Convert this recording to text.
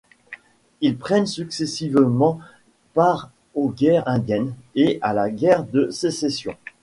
Ils prennent successivement part aux Guerres indiennes et à la guerre de Sécession.